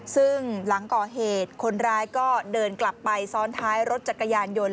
ซึ่งหลังก่อเหตุคนร้ายก็เดินกลับไปซ้อนท้ายรถจักรยานยนต์